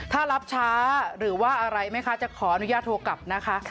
ถ้ารับช้าหรือว่าอะไรไหมคะจะขออนุญาตโทรกลับนะคะ